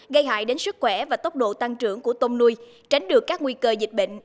gây hại đến sức khỏe và tốc độ tăng trưởng của tôm nuôi tránh được các nguy cơ dịch bệnh